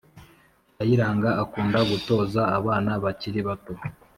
kayiranga akunda gutoza abana bakiri bato